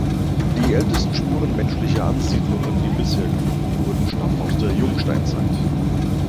Die ältesten Spuren menschlicher Ansiedlungen, die bisher gefunden wurden, stammen aus der Jungsteinzeit.